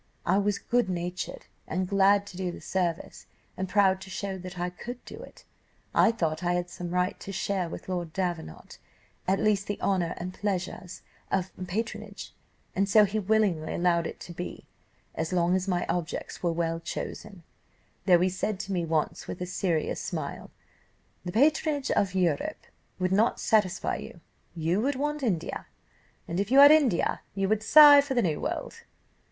I was good natured and glad to do the service, and proud to show that I could do it. I thought I had some right to share with Lord Davenant, at least, the honour and pleasures of patronage, and so he willingly allowed it to be, as long as my objects were well chosen, though he said to me once with a serious smile, 'The patronage of Europe would not satisfy you; you would want India, and if you had India, you would sigh for the New World.